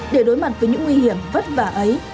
để đối mặt với những nguy hiểm vất vả ấy